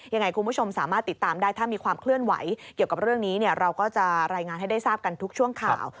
ยังไงคุณผู้ชมสามารถติดตามได้ถ้ามีความเคลื่อนไหวเกี่ยวกับเรื่องนี้เราก็จะรายงานให้ได้ทราบกันทุกช่วงข่าว